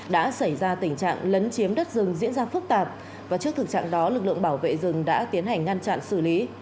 đã xảy ra tình trạng lấn chiếm đất rừng diễn ra phức tạp và trước thực trạng đó lực lượng bảo vệ rừng đã tiến hành ngăn chặn xử lý